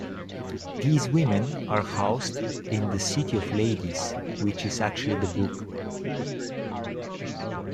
These women are "housed" in the City of Ladies, which is actually the book.